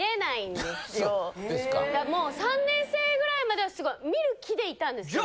３年生ぐらい迄はすごい見る気でいたんですけど。